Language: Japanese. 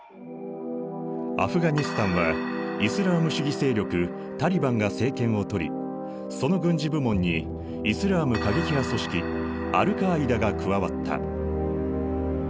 アフガニスタンはイスラーム主義勢力タリバンが政権をとりその軍事部門にイスラーム過激派組織アルカーイダが加わった。